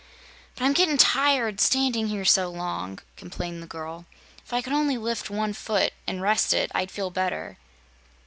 "But I'm gett'n' tired standing here so long," complained the girl. "If I could only lift one foot, and rest it, I'd feel better."